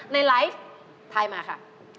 ในไลฟ์ทายมาค่ะ